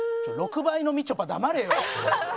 ６倍のみちょぱ黙れよ！